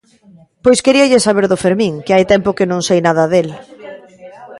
–Pois queríalle saber do Fermín, que hai tempo que non sei nada del.